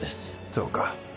そうか。